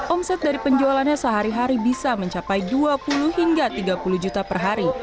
omset dari penjualannya sehari hari bisa mencapai dua puluh hingga tiga puluh juta per hari